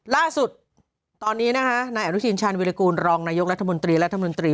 ล่าสุดตอนนี้นะฮะนายแอบนุชินชาญวิรกูลรองนายกรรภมนตรี